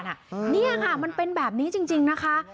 นี่ค่ะมันเป็นแบบนี้จริงนะคะ